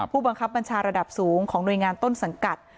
ผู้บังคับบัญชาระดับสูงของหน่วยงานต้นสังกัด